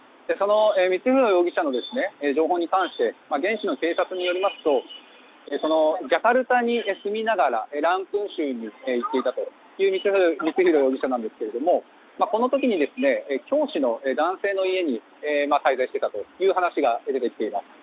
光弘容疑者の情報に関して現地の警察によりますとジャカルタに住みながらランプン州に行っていたという光弘容疑者なんですがこの時に、教師の男性の家に滞在していたという話が出てきています。